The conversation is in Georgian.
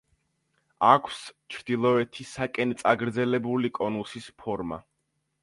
აქვს ჩრდილოეთისაკენ წაგრძელებული კონუსის ფორმა.